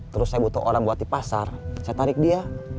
terus saya butuh orang buat di pasar saya tarik dia